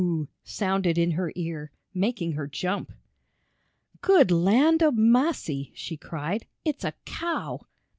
sounded in her ear, making her jump. "Good land ob massy!" she cried. "It's a cow!"